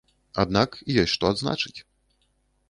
Аднак ёсць што адзначыць.